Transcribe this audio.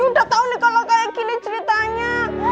udah tahu kalau kayak gini ceritanya